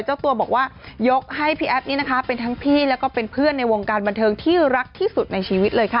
เจ้าตัวบอกว่ายกให้พี่แอฟนี่นะคะเป็นทั้งพี่แล้วก็เป็นเพื่อนในวงการบันเทิงที่รักที่สุดในชีวิตเลยค่ะ